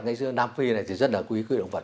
ngày xưa nam phi này thì rất là quý khuyên động vật